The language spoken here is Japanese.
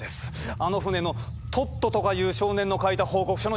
あの船のトットとかいう少年の書いた報告書のようです。